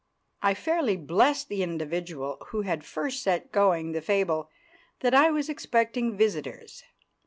I fairly blessed the individual who had first set going the fable that I was expecting visitors.